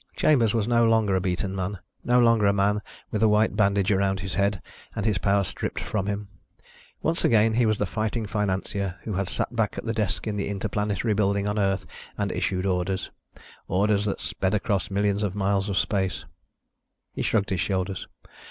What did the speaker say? Chambers was no longer a beaten man, no longer a man with a white bandage around his head and his power stripped from him. Once again he was the fighting financier who had sat back at the desk in the Interplanetary building on Earth and issued orders ... orders that sped across millions of miles of space. He shrugged his shoulders.